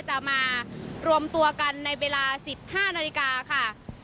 จะมารวมตัวกันในเวลา๑๕นาฬิกาค่ะ